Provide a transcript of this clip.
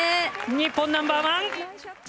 日本ナンバー１。